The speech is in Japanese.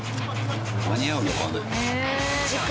間に合うのかね。